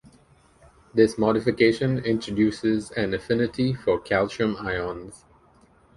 This modification introduces an affinity for calcium ions.